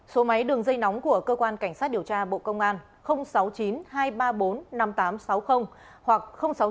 số máy đường dây nóng của cơ quan cảnh sát điều tra bộ công an sáu mươi chín hai trăm ba mươi bốn năm nghìn tám trăm sáu mươi hoặc sáu mươi chín hai trăm ba mươi hai một nghìn sáu trăm sáu mươi